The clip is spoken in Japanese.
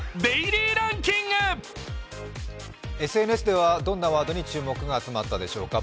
ＳＮＳではどんなワードに注目が集まったでしょうか。